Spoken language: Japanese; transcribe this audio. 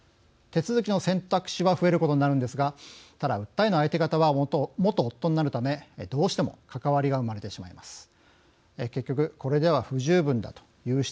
手続きの選択肢は増えることになるんですがただ訴えの相手方は元夫になるためどうしても関わりが生まれてしまいます。